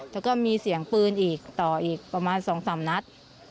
แล้วก็มีเสียงปืนอีกต่ออีกประมาณ๒๓นัด